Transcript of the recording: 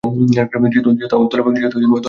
যেহেতু দলের পক্ষে কাজ করছে।